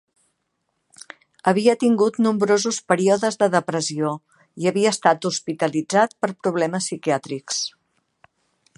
Havia tingut nombrosos períodes de depressió i havia estat hospitalitzat per problemes psiquiàtrics.